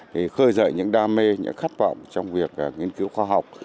thì khơi dậy những đam mê những khát vọng trong việc nghiên cứu khoa học